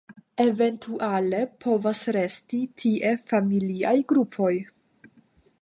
Eventuale povas resti tie familiaj grupoj.